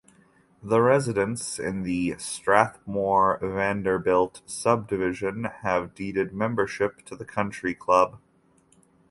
The residents in the Strathmore–Vanderbilt subdivision have deeded memberships to the country club.